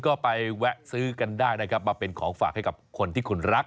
ก็ไปแวะซื้อกันได้นะครับมาเป็นของฝากให้กับคนที่คุณรัก